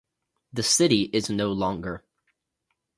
The city is no longer.